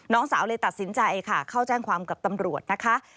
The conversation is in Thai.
น้องสาวเลยตัดสินใจค่ะเข้าแจ้งความกับตำรวจนะคะ